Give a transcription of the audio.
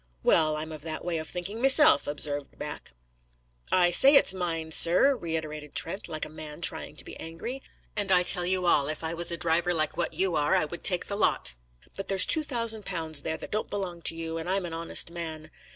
"Well, I'm of that way of thinking meself," observed Mac. "I say it's mine, sir!" reiterated Trent, like a man trying to be angry. "And I tell you all, if I was a driver like what you are, I would take the lot. But there's two thousand pounds there that don't belong to you, and I'm an honest man.